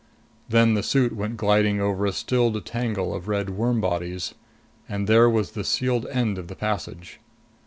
Then the suit went gliding over a stilled tangle of red worm bodies. And there was the sealed end of the passage.